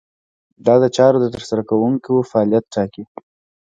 دا د چارو د ترسره کوونکو فعالیت ټاکي.